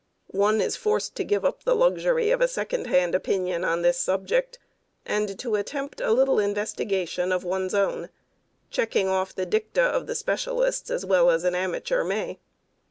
One is forced to give up the luxury of a second hand opinion on this subject, and to attempt a little investigation of one's own, checking off the dicta of the specialists as well as an amateur may.